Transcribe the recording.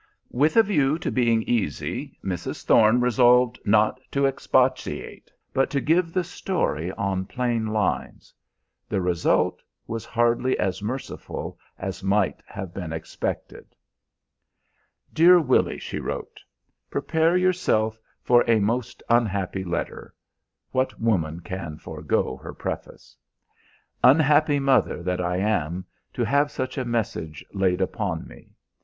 With a view to being "easy," Mrs. Thorne resolved not to expatiate, but to give the story on plain lines. The result was hardly as merciful as might have been expected. "DEAR WILLY," she wrote: "Prepare yourself for a most unhappy letter [what woman can forego her preface?] unhappy mother that I am, to have such a message laid upon me.